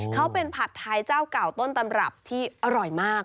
เขาเป็นผัดไทยเจ้าเก่าต้นตำรับที่อร่อยมาก